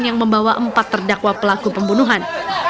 yang membawa empat terdakwa pelaku pembunuhan